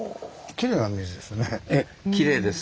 ええきれいです。